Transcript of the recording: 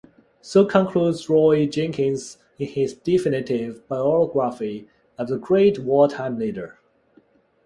So concludes Roy Jenkins in his definitive biography of the great wartime leader.